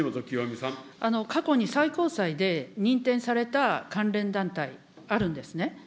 過去に最高裁で認定された関連団体、あるんですね。